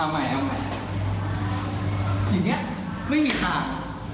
ไม่มีทาง